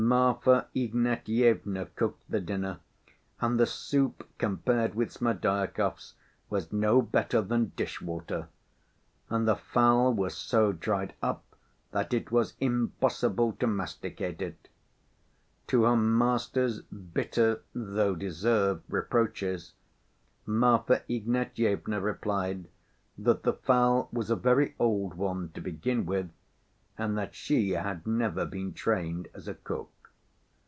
Marfa Ignatyevna cooked the dinner, and the soup, compared with Smerdyakov's, was "no better than dish‐water," and the fowl was so dried up that it was impossible to masticate it. To her master's bitter, though deserved, reproaches, Marfa Ignatyevna replied that the fowl was a very old one to begin with, and that she had never been trained as a cook.